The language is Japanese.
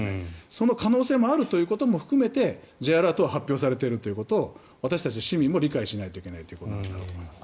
その可能性もあるということを含めてＪアラートが発表されているということを私たち市民も理解しないといけないということだと思います。